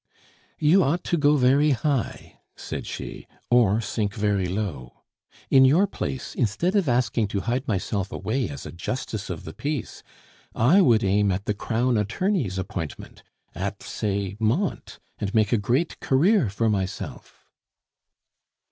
"You ought to go very high," said she, "or sink very low. In your place, instead of asking to hide myself away as a justice of the peace, I would aim at the crown attorney's appointment at, say, Mantes! and make a great career for myself."